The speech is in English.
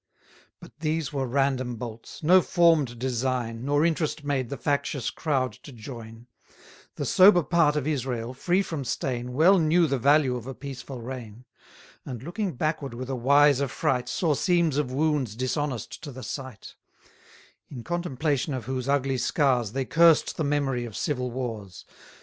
But these were random bolts: no form'd design, Nor interest made the factious crowd to join: The sober part of Israel, free from stain, Well knew the value of a peaceful reign; 70 And, looking backward with a wise affright, Saw seams of wounds dishonest to the sight: In contemplation of whose ugly scars, They cursed the memory of civil wars.